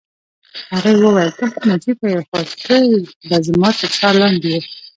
هغې وویل: ته هم عجبه يې، خو ته به زما تر څار لاندې یې.